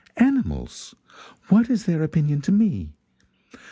Animals! What are their opinions to me?